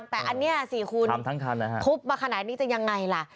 แต่อันนี้สิคุณทุบมาขนาดยังไหวนะ